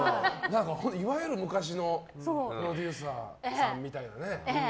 いわゆる昔のプロデューサーさんみたいなね。